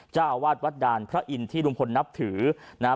เจ้าอาวาสวัดด่านพระอินทร์ที่ลุงพลนับถือนะฮะ